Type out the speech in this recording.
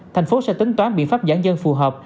thành phố sẽ tính toán biện pháp giãn dân phù hợp